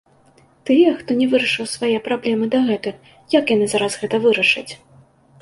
Тыя, хто не вырашыў свае праблемы дагэтуль, як яны зараз гэта вырашаць?